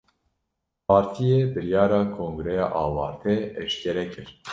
Partiyê, biryara kongreya awarte eşkere kir